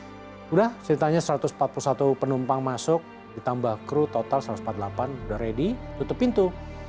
sudah ceritanya satu ratus empat puluh satu penumpang masuk ditambah kru total satu ratus empat puluh delapan sudah ready tutup pintu